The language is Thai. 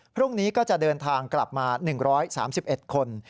พรุ่งนี้ก็จะเดินทางกลับมา๑๓๑คน